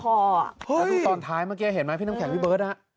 แล้วดูตอนท้ายเมื่อกี้เห็นไหมพี่น้ำแข็งพี่เบิร์ต